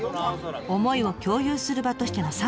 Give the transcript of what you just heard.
思いを共有する場としてのサウナ。